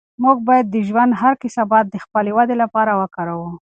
موږ باید د ژوند هر کثافت د خپلې ودې لپاره وکاروو.